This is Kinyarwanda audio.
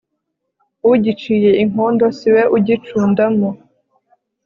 ugiciye inkondo siwe ugicundamo